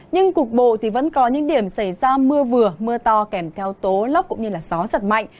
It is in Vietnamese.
nhưng cục bộ thì vẫn có những điểm xảy ra mưa vừa mưa to kèm theo tố lốc cũng như gió giật mạnh